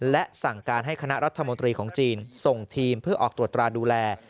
และสั่งการให้คณะรัฐมนตรีของจีนส่งทีมเพื่อออกตรวจตราดูแล